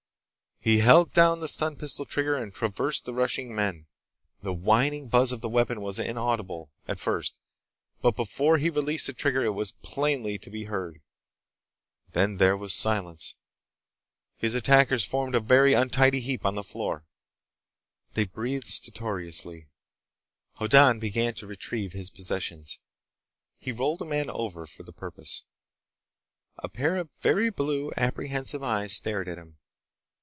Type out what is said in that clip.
He held down the stun pistol trigger and traversed the rushing men. The whining buzz of the weapon was inaudible, at first, but before he released the trigger it was plainly to be heard. Then there was silence. His attackers formed a very untidy heap on the floor. They breathed stertorously. Hoddan began to retrieve his possessions. He rolled a man over, for the purpose. A pair of very blue, apprehensive eyes stared at him.